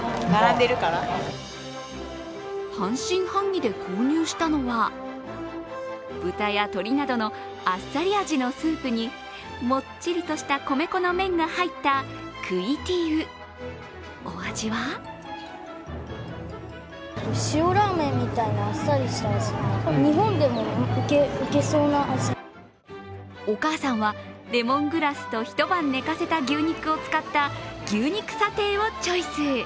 半信半疑で購入したのは、豚や鶏などのあっさり味のスープに、もっちりとした米粉の麺が入ったクイティウ、お味はお母さんはレモングラスと一晩寝かせた牛肉を使った牛肉サテーをチョイス。